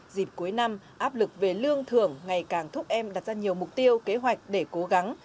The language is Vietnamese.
dịp cuối năm áp lực về lương thưởng ngày càng thúc em đặt ra nhiều mục tiêu kế hoạch để cố gắng